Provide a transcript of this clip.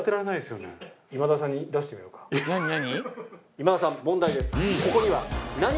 今田さん問題です。